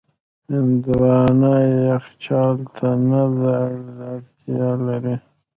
هندوانه یخچال ته نه ده اړتیا لري.